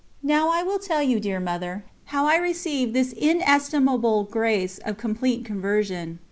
Now I will tell you, dear Mother, how I received this inestimable grace of complete conversion.